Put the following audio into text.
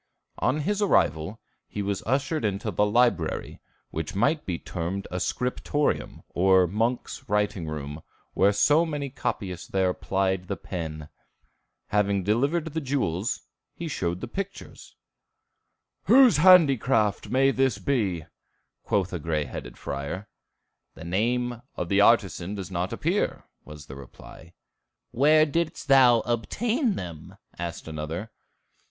On his arrival he was ushered into the library, which might be termed a scriptorium, or monks' writing room, so many copyists there plied the pen. Having delivered the jewels, he showed his pictures. "Whose handicraft may this be?" quoth a gray headed friar. "The name of the artisan doth not appear," was the reply. "Where didst thou obtain them?" asked another.